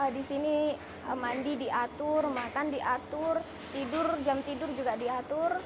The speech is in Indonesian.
di sini mandi diatur makan diatur tidur jam tidur juga diatur